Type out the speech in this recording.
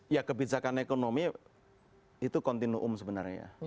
ya kebijakan ekonomi itu kontinuum sebenarnya ya